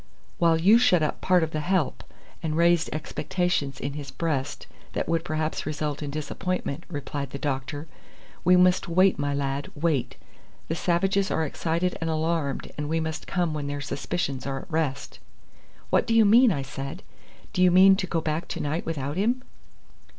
"While you shut up part of the help, and raised expectations in his breast, that would perhaps result in disappointment," replied the doctor. "We must wait, my lad, wait. The savages are excited and alarmed, and we must come when their suspicions are at rest." "What do you mean?" I said. "Do you mean to go back to night without him?"